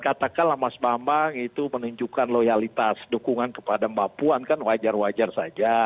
katakanlah mas bambang itu menunjukkan loyalitas dukungan kepada mbak puan kan wajar wajar saja